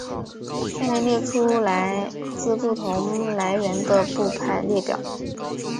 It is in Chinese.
下面列出来自不同来源的部派列表。